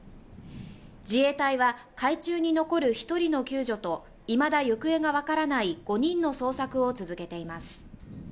自衛隊は海中に残る１人の救助と、いまだ行方がわからない５人の捜索を続けています。